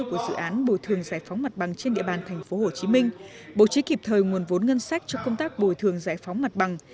của dự án bồi thường giải phóng mặt bằng trên địa bàn tp hcm bố trí kịp thời nguồn vốn ngân sách cho công tác bồi thường giải phóng mặt bằng